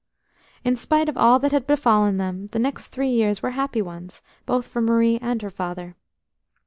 In spite of all that had befallen them, the next three years were happy ones, both for Marie and her father.